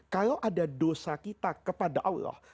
kalau ada dosa kita kepada allah